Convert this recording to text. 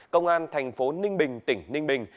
công an thành phố ninh bình tỉnh ninh bình